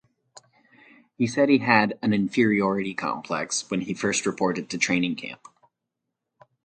He said he had "an inferiority complex" when he first reported to training camp.